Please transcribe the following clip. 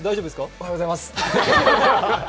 おはようございます。